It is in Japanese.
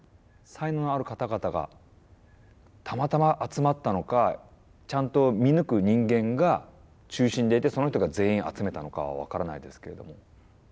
才能ある方々がたまたま集まったのかちゃんと見抜く人間が中心でいてその人が全員集めたのかは分からないですけれども。